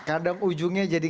kadang ujungnya jadi